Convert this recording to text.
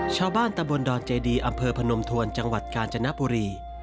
ชาวบ้านตะบนดอนเจดีอำเภอพนมทวนจังหวัดกาญจนบุรี